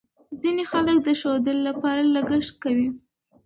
ځینې خلک د ښودلو لپاره لګښت کوي.